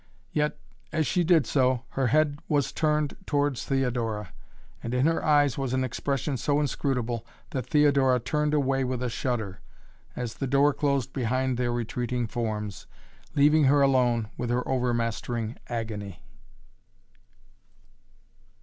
Yet, as she did so, her head was turned towards Theodora and in her eyes was an expression so inscrutable that Theodora turned away with a shudder, as the door closed behind their retreating forms, leaving her alone with her overmastering agony.